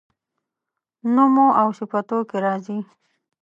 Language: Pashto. نومواوصفتوکي راځي